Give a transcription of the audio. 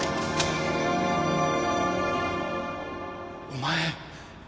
お前。